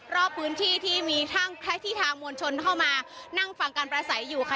รอบพื้นที่ที่มีที่ทางมวลชนเข้ามานั่งฟังการประสัยอยู่ค่ะ